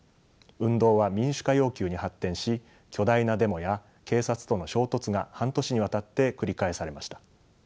運動は民主化要求に発展し巨大なデモや警察との衝突が半年にわたって繰り返されました。